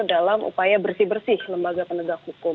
dalam upaya bersih bersih lembaga penegak hukum